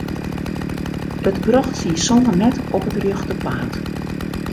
It brocht syn soan net op it rjochte paad.